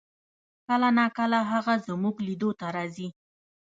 کله نا کله هغه زمونږ لیدو ته راځي